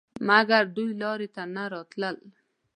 مګر دوی لارې ته نه راتلل.